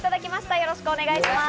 よろしくお願いします。